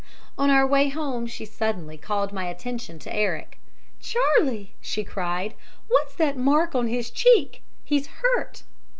"On our way home she suddenly called my attention to Eric. "'Charlie,' she cried, 'what's that mark on his cheek? He's hurt!'